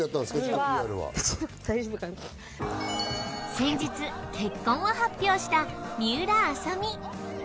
先日、結婚を発表した水卜麻美。